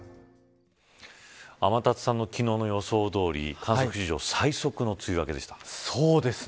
天達さんの昨日の予報どおり観測史上最速の梅雨明けでした。